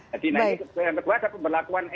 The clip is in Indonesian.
jadi ini sesuai yang terbuat ada pemberlakuan